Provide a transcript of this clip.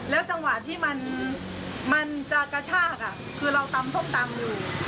จังหวะที่มันจะกระชากคือเราตำส้มตำอยู่